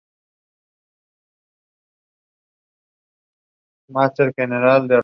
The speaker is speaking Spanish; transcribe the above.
La iniciativa recibió el elogio del activista por los derechos civiles, Jesse Jackson.